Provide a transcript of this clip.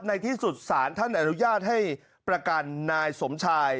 ในที่สุดสารท่านอนุญาตให้ประกันนายสมชาย